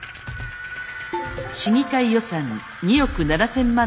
市議会予算２億７，０００万の削減。